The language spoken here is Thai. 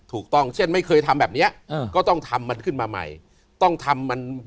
ถูกต้องเช่นไม่เคยทำแบบนี้ก็ต้องทำมันขึ้นมาใหม่